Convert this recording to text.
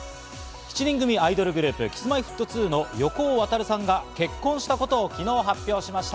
７人組アイドルグループ・Ｋｉｓ−Ｍｙ−Ｆｔ２の横尾渉さんが、結婚したことを昨日、発表しました。